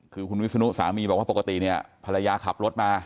คือคุณวิศนุสามีบอกว่าปกติเนี่ยภรรยาขับรถมา